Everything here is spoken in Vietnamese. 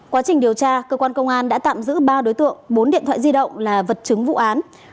quá trình điều tra cơ quan công an đã tạm giữ ba đối tượng bốn điện thoại di động là vật chứng vụ án